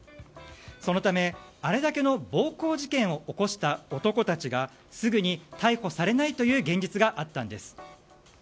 そのため、あれだけの暴行事件を起こした男たちがすぐに逮捕されないという現実があったんです。